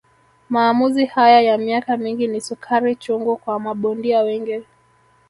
Maamuzi haya ya miaka mingi ni sukari chungu kwa mabondia wengi